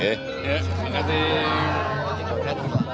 ya terima kasih